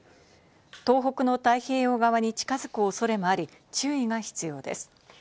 東北の太平洋側に近づく恐れもあり、注意が必要です。